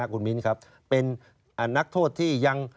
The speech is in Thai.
คุณมิ้นครับเป็นนักโทษที่ยัง